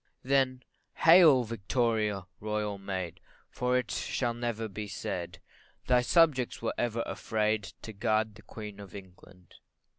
CHORUS Then hail, Victoria! Royal Maid, For it never shall be said, Thy subjects ever were afraid To guard the Queen of England.